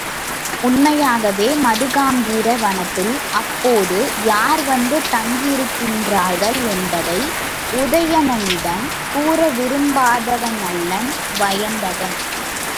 உண்மையாகவே மதுகாம்பீர வனத்தில் அப்போது யார் வந்து தங்கியிருக்கின்றார்கள் என்பதை உதயணனிடம் கூற விரும்பாதவனல்லன் வயந்தகன்!